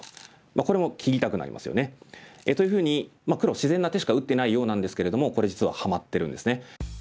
これも切りたくなりますよね。というふうに黒は自然な手しか打ってないようなんですけれどもこれ実はハマってるんですね。